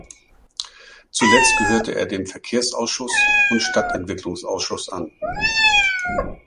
Zuletzt gehörte er dem Verkehrsausschuss und Stadtentwicklungsausschuss an.